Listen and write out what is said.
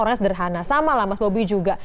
orangnya sederhana sama lah mas bobi juga